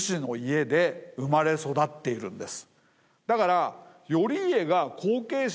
だから。